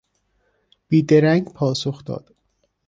بیدرنگ پاسخ داد.